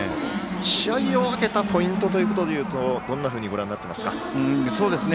試合を分けたポイントということでいうとどんなふうにご覧になっていますか？